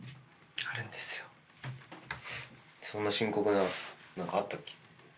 そんな深刻な何かあったっけ？